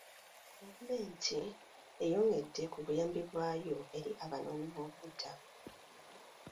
Gavumenti eyongedde ku buyambi bwayo eri abanoonyiboobubudamu.